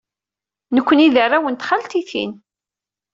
Nekkni d arraw n txaltitin.